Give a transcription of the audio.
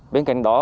bên cạnh đó